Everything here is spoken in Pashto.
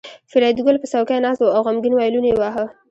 فریدګل په څوکۍ ناست و او غمګین وایلون یې واهه